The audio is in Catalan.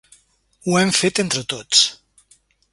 Ho hem fet entre tots!